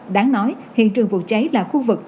đáng nói hiện trường vụ cháy là khu vực